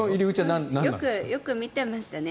よく見てましたね。